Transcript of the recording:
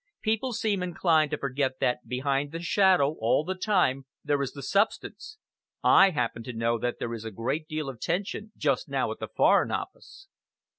"People seem inclined to forget that behind the shadow all the time there is the substance. I happen to know that there is a great deal of tension just now at the Foreign Office!"